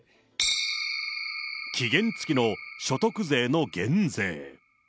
期限付きの所得税の減税。